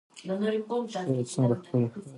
شرۍ څومره ښکلې ښکاري